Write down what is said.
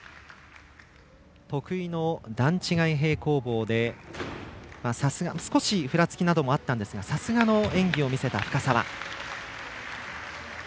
得意の段違い平行棒で少しふらつきなどもあったんですがさすがの演技を見せた深沢。